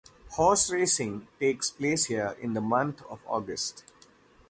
Horse racing takes place here in the month of August.